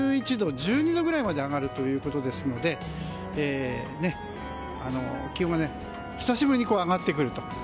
１１度、１２度くらいまで上がるということですので気温が久しぶりに上がってくる。